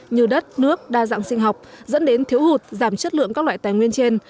như đất nước đa dạng sinh học dẫn đến thiếu hụt giảm chất lượng các loại tài nguyên trên